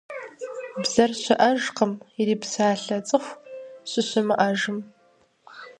Бзэр щыӀэжкъым, ирипсалъэ цӀыху щыщымыӀэжым.